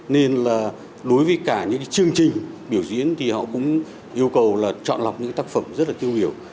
nên đối với cả những chương trình biểu diễn thì họ cũng yêu cầu chọn lọc những tác phẩm rất là tiêu hiểu